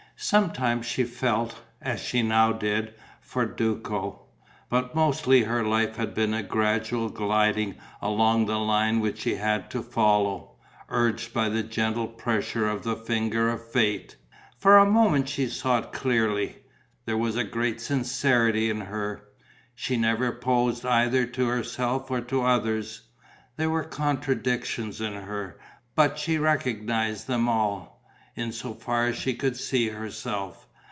Sometimes she felt, as she now did, for Duco. But mostly her life had been a gradual gliding along the line which she had to follow, urged by the gentle pressure of the finger of fate.... For a moment she saw it clearly. There was a great sincerity in her: she never posed either to herself or to others. There were contradictions in her, but she recognized them all, in so far as she could see herself.